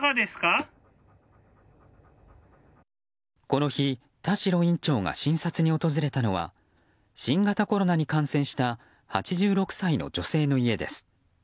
この日、田代院長が診察に訪れたのは新型コロナに感染した８６歳の女性の家です。